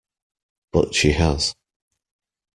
But she has.